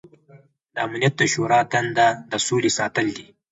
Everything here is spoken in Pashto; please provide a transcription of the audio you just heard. د امنیت د شورا دنده د سولې ساتل دي.